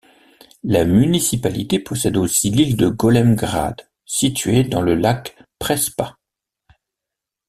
La municipalité possède aussi l'île de Golem Grad, située dans le lac Prespa.